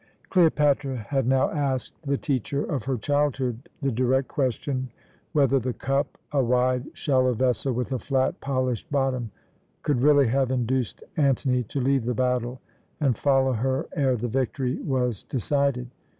Cleopatra had now asked the teacher of her childhood the direct question whether the cup a wide, shallow vessel, with a flat, polished bottom could really have induced Antony to leave the battle and follow her ere the victory was decided.